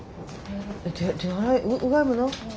うがいもな。